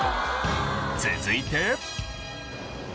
続いて。